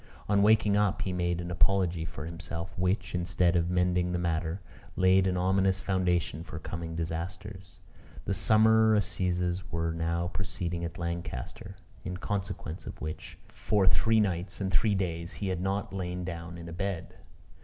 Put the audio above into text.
On waking up, he made an apology for himself, which, instead of mending the matter, laid an ominous foundation for coming disasters. The summer assizes were now proceeding at Lancaster: in consequence of which, for three nights and three days, he had not lain down in a bed.